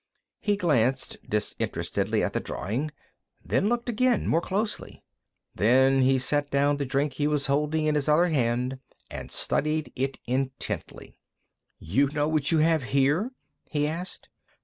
He glanced disinterestedly at the drawing, then looked again, more closely. Then he set down the drink he was holding in his other hand and studied it intently. "You know what you have here?" he asked.